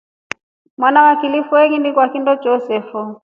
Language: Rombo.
Mwana wa kilifu einingwa choose kilya fo.